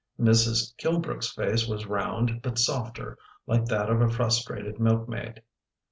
Mrs. Kil drick' s face was round, but softer, like that of a frus trated milk maid.